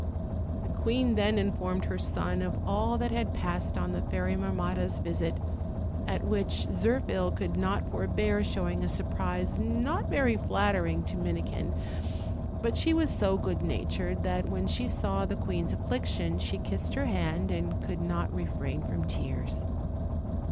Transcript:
The queen then informed her son of all that had passed on the Fairy Marmotta's visit, at which Zirphil could not forbear showing a surprise not very flattering to Minikin; but she was so good natured that when she saw the OLD, OLD FAIRY TALES. queen's affliction she kissed her hand and could not re train from tears.